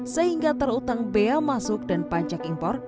sehingga terutang bea masuk dan pajak impor